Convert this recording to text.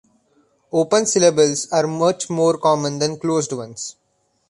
Open syllables are much more common than closed ones.